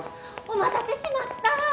お待たせしました！